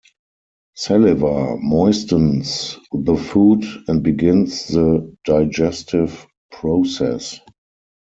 Saliva moistens the food and begins the digestive process.